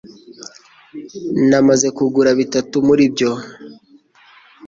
namaze kugura bitatu muri byo